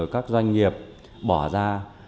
các doanh nghiệp bỏ ra